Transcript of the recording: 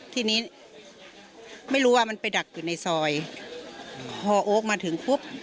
ทีนี้ไม่รู้ว่ามันไปดักอยู่ในซอยพอโอ๊คมาถึงปุ๊บ